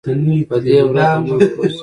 په دې ورځ د نورو ورځو